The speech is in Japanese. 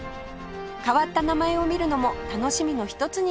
変わった名前を見るのも楽しみの一つになっています